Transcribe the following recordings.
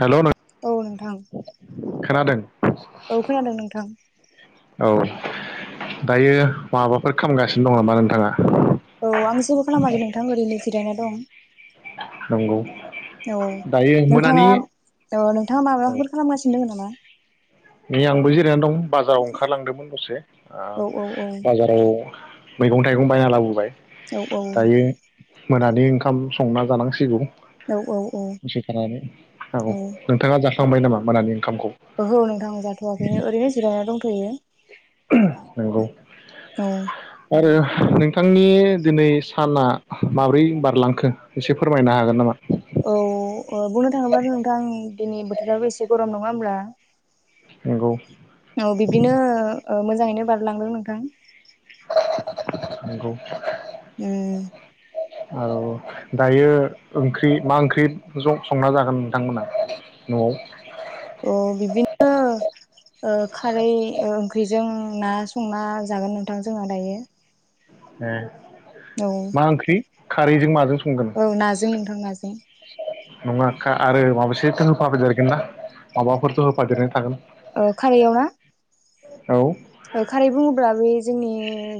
हेल' नों औ नोंथां खोनादों औ खोनादों नोंथां। औ दायो माबाफोर खालामगासिनो दं नामा नोंथाङा? औ आं जेबो खालामाखै नोंथां ओरैनो जिरायना दं। नंगौ औ दायो नोंथाङा मोनानि औ नोंथाङा औ माबाफोर खालामगासिनो दोङो नामा? नै आंबो जिरायनानै दं बाजाराव ओंखारलांदोंमोन ओ दसे आ औ औ औ बाजाराव मैगं थाइगं बायना लाबोबाय। औ औ दायो मोनानि ओंखाम संना जानांसिगौ। औ दसेथानानै औ नोंथाङा जा खालामांबाय नामा मोनानि ओंखामखौ? ओहो आं जाथवाखैनो ओरैनो जिरायना दंथयो। नंगौ औ आरो नोंथांनि दिनै साना माब्रै बारलांखो एसे फोरमायनो हागोन नामा? औ ओ बुंनो थाङोब्ला नोंथां दिनै बोथोराबो एसे गरम नङा होमब्ला? नंगौ औ बिदिनो ओ मोजाङैनो बारलांदों नोंथां। [unintelligible] नंगौ उम औ दायो ओंख्रि मा ओंख्रि संना जागोन नोंथांमोना न'आव? अ बिबदिनो खारै ओंख्रिजों ना संना जागोन नोंथां जोंहा दायो। ए औ मा ओंख्रि? खारैजों माजों संगोन औ नाजों नोंथां नाजों। नङा खा आरो माबासेथ होफाफदेरगोन ना माबाफोरथ होफादेरनाय थागोन। औ खारैयाव ना औ खारै बुङोब्ला बे जोंनि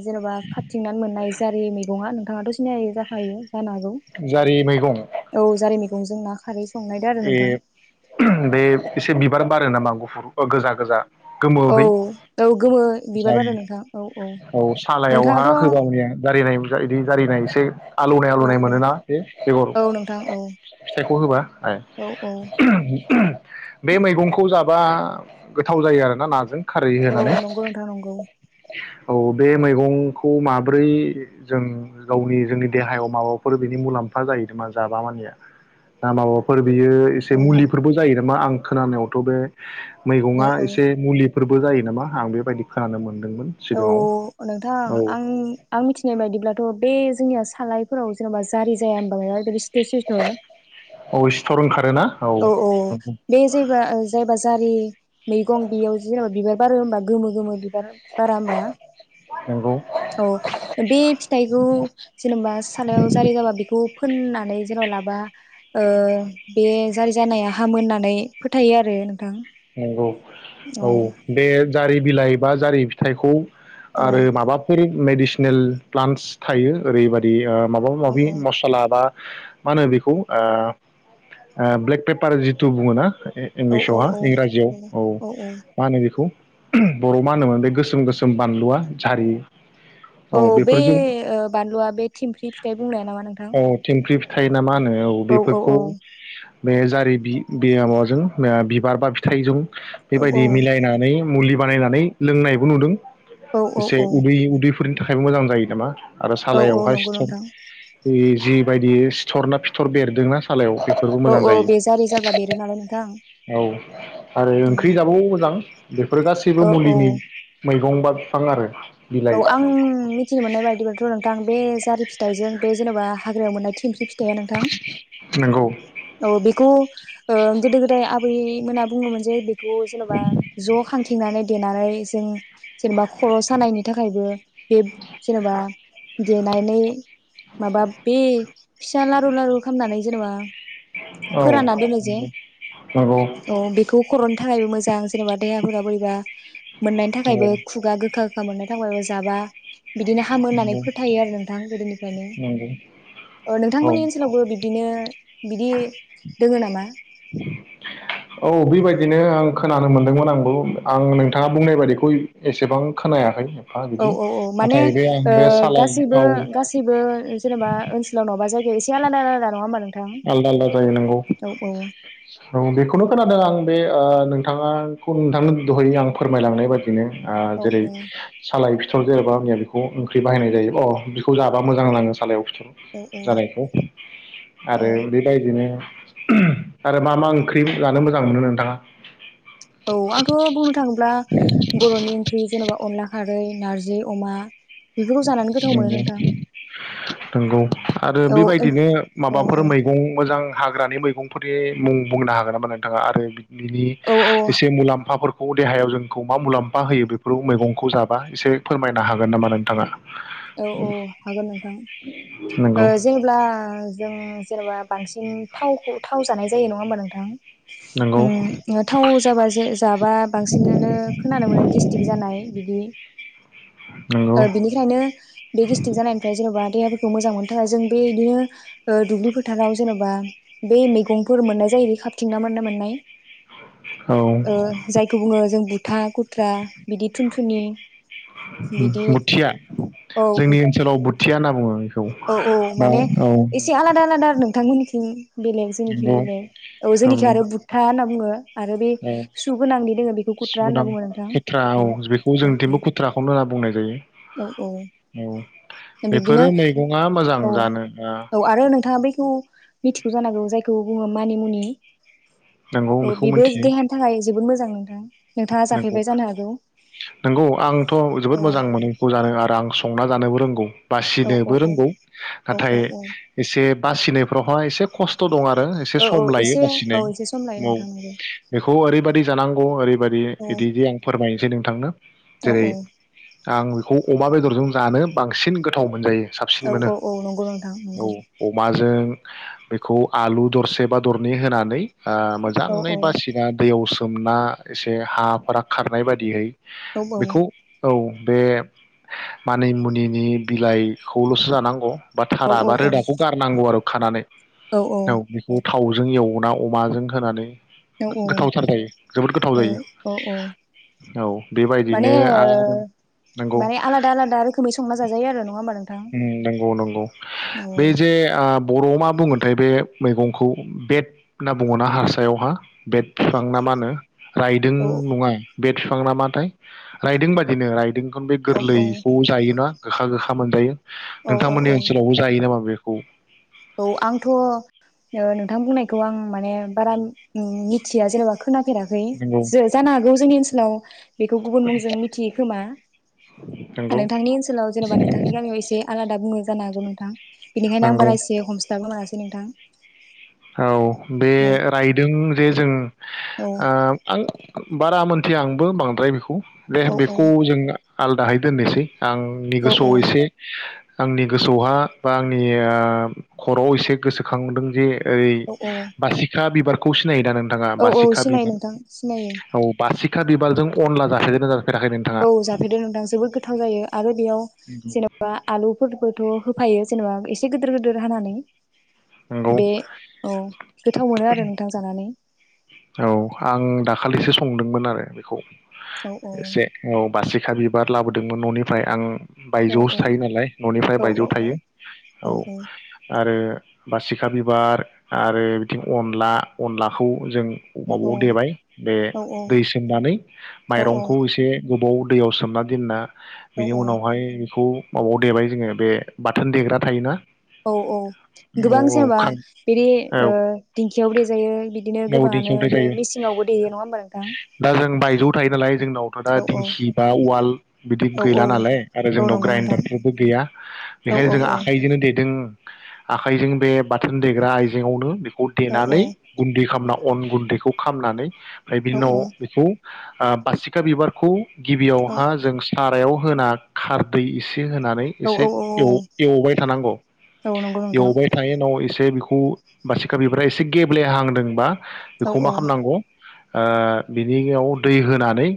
जेनबा खाथिं नानै मोननाय जारि मैगङा नोंथाङाथ सिनाय जाखायो जानो हागौ जारि मैगं। गंजों ना खारै संनायदो आरो नोंथां ए बे एसे बिबार बारो नामा गुफुर ओ गोजा गोजा। औ गोमोहै औ गोमो बिबार जारि बारो नोंथां औ औ सालायावहा नोंथाङाथ' होबा माने जारिनाय बिदि जारिनाय एसे आलौनाय औ आलौनाय औ मोनोना बे बेगर औ नोंथां औ फिथाइखौ होबा? औ औ ए [unintelligible] [unintelligible] बे मैगंखौ जाबा गोथाव जायो आरोना नाजों खारै औ होनानै नंगौ नोंथां नंगौ औ बे मैगंखौ माब्रै जों गावनि जोंनि देहायाव माबाफोर बिनि मुलाम्फा जाहैदों मा जाबा मानिया ना माबाफोर बियो एसे औ मुलिफोरबो जायोना? मा आं खोनानायावथ' बे मैगङा औ औ एसे मुलि फोरबो जायो नामा आं बेबायदि खोनानो मोन औ नोंथां आं आं मिथिनाय बायदिब्लाथ' बे जोंनिया सालायफोराव जेन'बा जारि जाया होमबा बिस्थ' सिसथर [unintelligible] औ औ बे जायबा- जायबा जारि मैगं बेयाव जेनेबा बिबार बारो होनबा गोमो गोमो बिबार बारा ओमबा नंगौ औ बे फिथाइखौ जेनेबा सालायाव जारि जाबा बेखौ फोननानै जेन' लाबा ओ बे जारि जानाया हामो होनना नै फोथायो आरो नोंथां। नंगौ औ औ बे जारि बिलाइ बा जारि फिथाइखौ औ आरो माबाफोर मेडिसिनेल प्लान्टस थायो ओरैबायदि ओ माबा औ माबि औ मसला बा मा होनो बेखौ ओ औ ब्लेक पेपार जिथु बुङोना औ इंलिसावहा औ इंराजियाव औ मा होनो बेखौ बर' आव मा होनोमोन बे गोसोम गोसोम बानलुआ जारि औ बे ओ बानलुआ बे थिमफ्रि फिथाइ बुंनायाया नामा नोंथां? थायो ना मा होनो औ बेफोरखौ बे जारि बि बि माबाजों ओ बिबार बा फिथाइजों औ औ बेबायदि मिलायनानै मुलि बानायनानै लोंनायबो नुदों। औ औ एसे औ उदै उदैफोरनि थाखाय थाखायबो मोजां जायो नामा? आरो औ औ सालायावहाय नंगौ सिथर नोंथां ओइ जि बेबायदि सिथर ना फिथर बेरदोंना सालायाव बेफोरबो औ मोजां औ जायो बे जारि जाब्ला बेरो नालाय नोंथां। औ आरो ओंख्रि औ जाबाबो मोजां बेफोर गासैबो औ मुलिनि मै गंबा बिफां आरो औ आं मिथिनो मोननाय बायदिब्लाथ' नोंथां बे जारि फिथाइजों बे जेनेबा हाग्रायाव मोननाय। ख्लि फिथाया नोंथां नंगौ औ बेखौ ओ गोदो गोदाय बै मोना बुङोमोन जे। जेन'बा ज' खा नानै देनानै जों जेनेबा खर' सानाय थाखायबो बे जेनेबा देनानै माबा बे फिसा लारु लारु खालामनानै जेनेबा औ फोरानना दोनो जे नंगौ औ बेखौ खर'नि थाखायबो मोजां जां जेनेबा देहाफोरा बोरैबा मोननायनि थाखायबो खुगा गोखा गोखा मोननाय जाबा बिदिनो हामो होननानै फोथायो आरो नोंथां गोदोनिफ्रायनो नंगौ ओ औ नोंथांमोननि ओनसोलावबो बिदिनो बिदि दोङो नामा? बिदिनो आं खोनानो मोनदोंमोन आंबो आं नोंथाङा बुंनाय बायदिखौ एसेबां खोनायाखै। एफा औ बिदि औ औ माने नाथाय बे आं ओ बे सालाय गासैबो औ गासैबो जेनेबा ओनसोलाव नङाबा जायगायाव एसे जला [unintelligible] नङा ओमबा आलदा आलदा जायो नंगौ औ बेखौनो खोनादों आं बे ओ नोंथाङाखौ नोंथांनो दहायै आं फोरमायलांनाय बायदि बिनो औ जेरै औ सालाय सरगिर हरब्ला आंनिया‌ बेखौ ओंख्रि बाहायनाय जायो अह बेखौ जाबा मोजां नाङो सालायाव औ जानायखौ औ आरो बि आरो मा मा ओंख्रि जानो मोजां मोनो नोंथाङा? औ आंथ' बुंनो थाङोब्ला बर'नि ओंख्रि जे जेनबा अनला खारै नारजि अमा। बेफोरखौ जानानै गोथाव मोनो नोंथां नंगौ आरो औ बेबायदिनो औ औ माबाफोर मैगं मोजां हाग्रानि मैगंफोरनि मुं बुंनो हागोन नामा नोंथाङा आरो?? बिनि औ एसे मुलाम्फाफोर बे देहायाव जोंखौ मा मुलाम्फा होयो बेफोर मैगंखौ जाबा एसे फोरमायनो हागोन नामा नों थाङा। औ औ हागोन नोंथां नंगौ ओ जेनेब्ला जों जेनेबा बांसिन थावखौ थाव जानाय जायो नङा होमबा नोंथां?? नंगौ उम थाव जाबा जाबा बांसिनानो खोनानो मोनो गेस्टिक जानाय बिदि नंगौ ओ बिनिखायनो बे गेस्टिक जानायनिफ्राय जेनबा देहाफोरखौ मोजां मोननो थाखाय जों बे बिदिनो दुब्लि फोथाराव जेनबा बे मैगंफोर मोननाय जायो। खाबथिंना मोन्नो मोननाय। औ ओ जायखौ बुङो जों गुथा खुथ्रा बिदि थुनथुनि बिदि बुथिया औ जोंनि ओनसोलाव बुथिया ना [unintelligible] औ औ माने एसे आलादा आलादा आरो नोंथांमोननिथिं बेलेग जेनिखि नंगौ बेलेग औ जेनिखि नंगौ आरो बुथ्था होन बुङो। आरो बे औ सु गोनांदि दोङो बेखौ गुथ्रा सु‌ होनना नां बुङो नोंथां खुथ्रा औ बेखौ जोंनिथिमबो खुथ्राखौनो होनना बुंनाय औ औ जायो औ बिब्दिनो बेफोरो मै गङा मोजां जानो ओ या बैखौ मिथिगौ जानांगौ जायखौ बुङो मानि मुनि नंगौ औ बेखौ बेबो मिथियो देहानि थाखाय जोबोद मोजां नोंथां। नोंथाङा नंगौ जाफेरबाय जानो हागौ नंगौ आंथ औ जोबोद मोजां मोनो बेखौ जानो आरो आं संना जानोबो रोंगौ। औ औ बासिनोबो रोंगौ औ नाथाय औ औ इसे बासिनायफ्रावहाय एसे खस्थ दं आरो। आरो एसे औ औ सम लायो एसे औ बासिनाय एसे सम लायो औ नोंथां नंगौ बेखौ ओरैबायदि जानांगौ ओरैबायदि बिदि जे आं फोरमायनोसै नों थांनो औ औ आं बेखौ अमा बेदरजों जानो बांसिन गोथाव मोनजायो साबसिन औ मोनो औ औ नंगौ नोंथां औ नंगौ अमा जों बेखौ आलु दरसे बा दरनै होनानै आ औ मोजाङै औ बासिना दैयाव सो सोमना एसे हा फ्रा खारनाय बायदियै औ बेखौ औ बे मानिमुनिनि बिलाइखौल'सो जानांगौ बा थारा औ बा औ रोदाखौ गारनांगौ आरो खानानै औ बेखौ थावजों एवना अमाजों होनानै औ गोथावथार जायो जोबोद गोथाव जायो औ औ औ औ माने बेबायदिनो आ ओ नंगौ माने आलादा आलादा रोखोमै संना जाजायो आरो नङा नोंथां उम नंगौ नं औ बे जे आ बर'आव मा बुङोथाय बे मैगंखौ बेट होनना बुङोना हारसायावहा बेट बिफां ना मानो रायदों औ नङा बेट बिफां नामाथाय राइदों बादिनो राइदों ओं बे औ गोरलैखौ जायोना गोखा गोखा मोनजायो औ औ नोंथांमोननि औ ओनसोलावबो जायो नामा बे औ औ आंथ' ओ नोंथां बुंनायखौ आं माने बारा उम मिथिया जेनेबा खोनाफेराखै नंगौ जो जानो हागौ जोंनि ओनसोलाव बेखौ गुबुन मुंजों मिथियो खोमा नंगौ नोंथांनि ओनसोलाव जेनेबा नोंथांनि गामियाव एसे आलादा बुङो जानो हागौ गौ नोंथां बेनिखायनो आं नंगौ बाराय इस ए हमस्लाबनो मोनासै नोंथां औ बे औ रायदों जे जों ओ औ आं बारा मोनथिया आंबो बांद्राय बेखौ बे औ बेखौ जोङो आलदाहाय दोननोसै आंनि औ गोसोआव औ एसे आंनि गोसो आवहा बा आंनि खराव एसे गोसोखांदों जे ओरै औ औ बासिखा बिबार खौ सिनायो दा नों थाङा औ औ बासिखा सिनायो बिबार नोंथां सिनायो औ बासि खा बिबारजों अनला जाफेरगोन ना जा औ जाफेरदो नोंथां जोबोद गोथाव जायो आरो बेयाव जेनबा आलुफोरबोथ' हो फायो जेनेबा एसे गोदोर गोदोर हानानै नंगौ बे औ गोथाव मोनो आरो नोंथां जानानै औ आं दाखालिसो संदोंमोन आरो बेखौ औ औ एसे औ बासिखा बिबार लाबोदोंमोन न'निफ्राय आं औ बायजोआवसो थायो नालाय न'निफ्राय औ बायजोआव औ थायो औ आरो बासिखा बिबार आरो बिथिं अनला अनलाखौ जों अबाबाव औ देबाय बे औ दै सोमनानै माइरंखौ एसे गोबाव दैयाव सोमना दोनना बेनि औ उनावहाय बेखौ माबाव देबाय जोङो बे बाथोन देग्रा थायोना औ औ औ गोबां जेनेबा खां बिदि औ ओ दिंखियावबो देजायो बिदिनो औ गोबाङानो दिंखियाव बो बे थायो मेसिङावबो देयो नङा होमबा नोंथां दा जों बायजोआव थायो नालाय जोंनावथ' दा औ औ दिंखि बा उवाल बिदि औ गैला नालाय आरो औ औ जोंनाव नंगौ नोंथां ग्राइडारफोरबो गैया औ बेखायनो औ जों औ आखाइजोंनो देदों आखाइजों बे बाथोन देग्रा आइजेंआवनो औ देनानै गुन्दै खामना अन गुन्दैखौ खामनानै ओमफ्राय बिनि औ उनाव बेखौ आ बासिखा बिबारखौ औ गिबियावहा जों सारायाव होना खारदै एसे ए होनानै औ एसे औ एव- एवबाय थानांगौ औ औ नंगौ नोंथां एवबाय थानाय उनाव एसे बे बेखौ बारसिखाबिबारा एसे गेब्ले हांदों औ बेखौ औ मा खामनांगौ ओ बिनियाव दै होनानै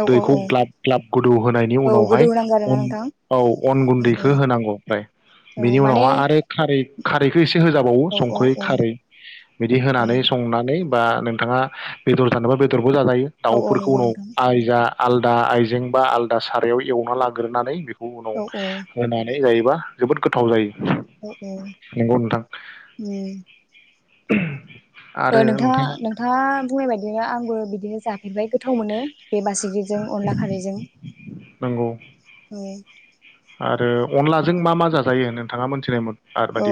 औ औ दैखौ औ ग्लाब ग्लाब गोदौ होनायनि औ गोदौ उनावहाय होनांगौ आरोना अन नोंथां औ अन औ गुन्दैखौ होनांगौ ओमफ्राय औ बेनि माने उनावहाय आरो खारै खारैखौ एसे होजाबावो औ औ संख्रै औ खारै बिदि होनानै बा नोंथाङा बेदर थानोबा बेदर जाजायो औ औ दाउफोरखौ नंगौ उनाव नोंथां आइ जा आलदा आइजें बा आलादा सारायाव एवना लाग्रोनानै गुबुनाव औ होनानै जायो जोबोद गोथाव जायो अ औ नंगौ नोंथां ओम [inaudible] ओ नोंथाङा नोंथाङा बुंनाय बायदिनो आंबो बिदिनो जाफेरबाय गोथाव मोनो बे बासिगिजों अनला खारिजों नंगौ औ आरो अनलाजों मा मा जाजायो नोंथाङा मोनथिनायमोन औ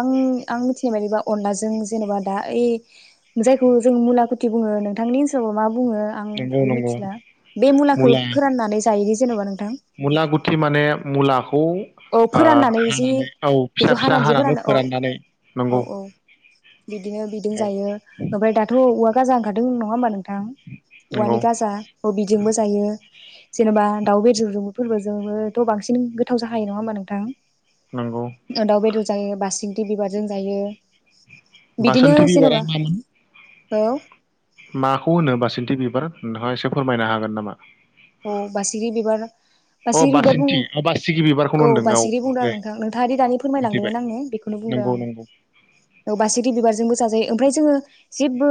आं आं मिथिनाय बादिबा अनलाजों जेनेबा दा ओइ जायखौ जों मुलाखुथि बुङो नोंथांनि ओनसाव मा? बुङो आं नंगौ बेखौ नंगौ मिथिला बे मुलाखो मुला फोराननानै जायो जेनबा नोंथां मुला गुथि माने मुला औ फोराननानै जि फिसा बेखौ फिसा हानानै जि फोरानो अ फोराननानै औ नंगौ औ बिदिनो बिदों औ जायो ओमफ्राय दाथ' औवा गाजा ओंखारदों [unintelligible] नङा होमबा नोंथां औवानि नंगौ गाजा अ बिजोंबो जायो जेनेबा दाउ बेेदर जों फोरबोजोंबोथ' बांसिन गोथाव जा खायो नङा होनबा नोंथां? नंगौ दाव बेदर जों बासि गि बिबारजों जायो बिदिनो बासोनथि बिबारा जेनेबा मामोन औ माखौ होनो बासिनथि बिबार नोंथाङा एसे फोरमायनो हागोन नामा? औ बासिगि बिबार अ बासिगि बिबार बुंङो बासिन्थि अ बासिगि बिबारखौनो औ होनदों बासिगि बुंदों आं दे नोंथां नोंथाङा ओ दानि मोनथिबाय फोरमायलांदोंमोन आंनो बेखौनो बुंदों नंगौ आं नंगौ औ बासिगि बिबारजोंबो जाजायो ओमफ्राय जोङो जेबो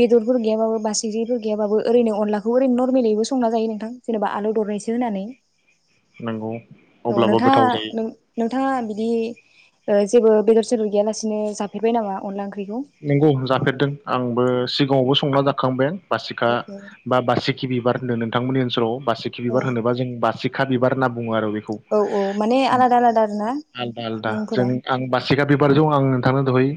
बेदरफोर गैयाबाबो बासिगिफोर गैयाबो ओरैनो अनलाखौ ओरै नरमेलिबो संना जायो। नोंथां जेनेबा आलु दरनैसो होनानै। नंगौ औ अब्लाबो नोंथाङा गोथाव जायो नोंथाङा बिदि ओ जेबो बेदर सेदर गैयालासिनो जाफेरबाय नामा अनला ओं नंगौ जाफेरदों आंबो सि गाङावबो संना जाखांबाय। बासिखा औ औ बा बासिखि बिबार होनदों नोंथांमोननि ओनसोलाव बासिखि औ बिबार होनोबा जों बासि खा बिबार होनना बुङो आरो बे खौ औ औ माने उम आलादा आलादा आरोना आलदा आलदा जों मुंफोरा आं बासिगा बिबारजों आं नोंथांनो दहै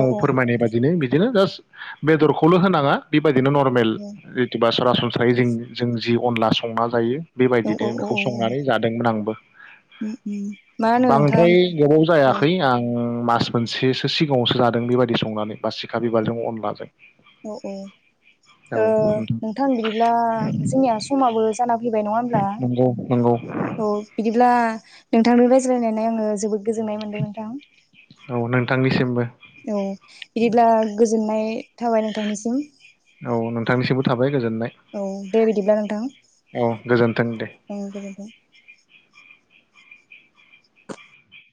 औ औ फोरमायनाय बादिनो बिदिनो जास्ट बेदरखौल होनाङा बि बायदिनो‌ नरमेल एथुबा सरास नस्रायै जों जों जि अनला संना जायो। औ औ बेबायदिनो औ बेखौ औ संनानै जादोंमोन आंबो। उम उम मा होनो नोंथां बांद्राय गोबाव औ जायाखै आं मास मोनसेसो सिगाङावसो जादों बेबायदि बिदि संनानै बासिखा बिबारजों अनलाजों औ औ औ ओ नोंथां नोंथां बिदिब्ला जोंनिया समाबो जाना फैबाय नङा होमब्ला नंगौ नंगौ औ बिदिब्ला नोंथांनि रायज्लायनाय आङो जोबोद गोजोन्नाय मोन्दों नोंथां। औ नोंथांनिसिमबो औ बिदिब्ला गोजोननाय थाबाय नोंथांनिसिम। औ नोंथांनिसिमबो थाबाय। गोजोननाय औ दे बिदिब्ला नोंथां औ गोजोन्थों दे औ।